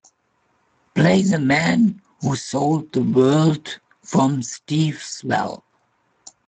Play the man who sold the world from Steve Swell